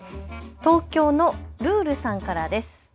東京のルールーさんからです。